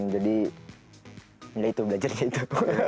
jadi ya itu belajarnya itu